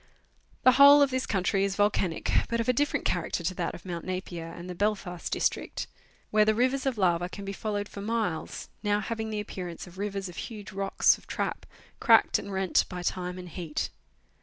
The whole of this country is volcanic, but of a different charac ter to that of Mount Napier and the Belfast District, where the rivers of lava can be followed for miles, now having the appear ance of rivers of huge rocks of trap, cracked and rent by time and heat.